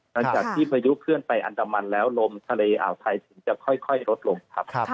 หลังจากที่พายุเคลื่อนไปอันดามันแล้วลมทะเลอ่าวไทยถึงจะค่อยลดลงครับ